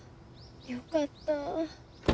よかった。